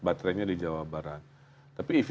baterainya di jawa barat tapi ev